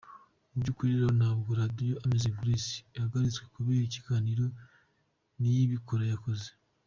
Mu by’ukuri rero ntabwo Radio Amazing Grace ihagaritswe kubera ikiganiro Niyibikora yakoze.